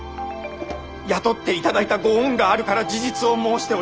雇っていただいたご恩があるから事実を申しております。